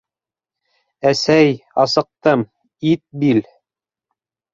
— Әсәй, асыҡтым, ит бил.